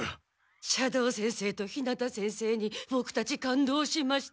斜堂先生と日向先生にボクたち感動しました。